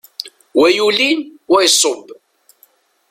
Wa yuli, wa iṣubb.